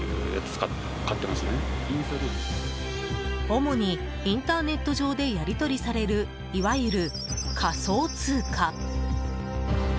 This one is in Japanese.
主にインターネット上でやり取りされるいわゆる仮想通貨。